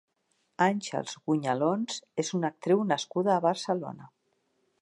Àngels Gonyalons és una actriu nascuda a Barcelona.